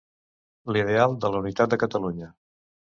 L'ideal de la unitat de Catalunya.